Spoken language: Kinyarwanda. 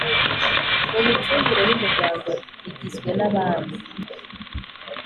mu micungire y Umuryango Igizwe n abami